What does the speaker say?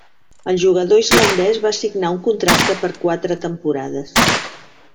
El jugador islandès va signar un contracte per quatre temporades.